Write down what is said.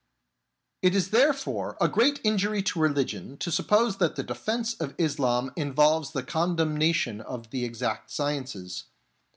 It is therefore a great injury to religion to sup pose that the defence of Islam involves the con demnation of the exact sciences.